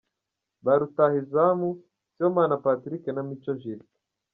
Ba Rutahizamu: Sibomana Patrick na Mico Justin.